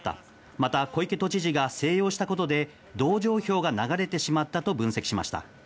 また、小池都知事が静養したことで同情票が流れてしまったと分析しました。